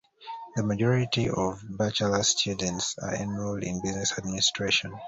The majority of Bachelor students are enrolled in Business Administration.